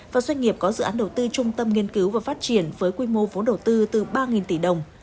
và doanh nghiệp có dự án đầu tư trung tâm nghiên cứu và phát triển với quy mô vốn đầu tư từ ba tỷ đồng